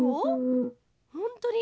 ほんとに。